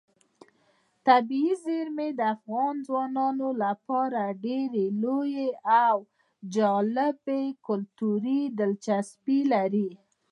طبیعي زیرمې د افغان ځوانانو لپاره ډېره لویه او جالب کلتوري دلچسپي لري.